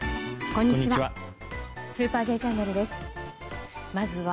こんにちは。